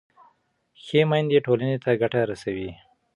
ښه میندې ټولنې ته ګټه رسوي.